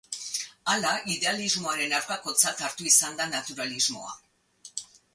Hala, idealismoaren aurkakotzat hartu izan da naturalismoa.